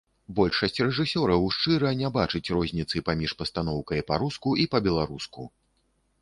Большасць рэжысёраў шчыра не бачыць розніцы паміж пастаноўкай па-руску і па-беларуску!